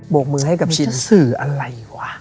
โบกมือให้กับชินเหมือนจะสื่ออะไรวะ